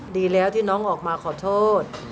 ดีแล้วที่น้องออกมาขอโทษ